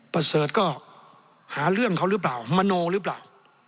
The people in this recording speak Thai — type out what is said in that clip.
ประเสริฐก็หาเรื่องเขาหรือเปล่ามโนหรือเปล่า